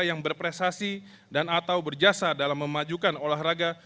yang berprestasi dan atau berjasa dalam memajukan olahraga